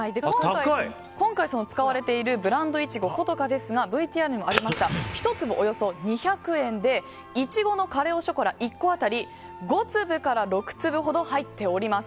今回使われているブランドイチゴ、古都華ですがＶＴＲにありましたように１粒およそ２００円で苺のカレ・オ・ショコラ１個当たり５粒から６粒ほど入っております。